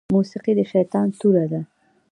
موسيقي د شيطان توره ده